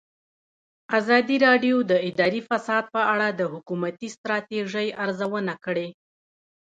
ازادي راډیو د اداري فساد په اړه د حکومتي ستراتیژۍ ارزونه کړې.